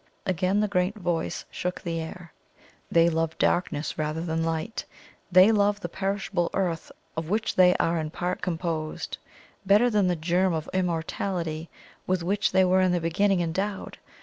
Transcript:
Again the great voice shook the air: "They love darkness rather than light; they love the perishable earth of which they are in part composed, better than the germ of immortality with which they were in the beginning endowed.